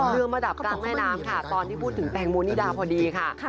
เรือมาดับกลางแม่น้ำค่ะตอนที่พูดถึงแตงโมนิดาพอดีค่ะ